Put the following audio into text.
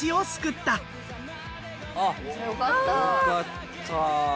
よかった。